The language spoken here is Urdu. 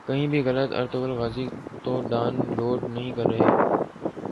کہیں بھی غلط ارطغرل غازی تو ڈان لوڈ نہیں کر رہے